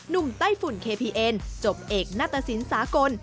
นุ่งต้ายฝุ่นจบเอกนัตภัศนิสสากล